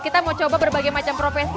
kita mau coba berbagai macam profesi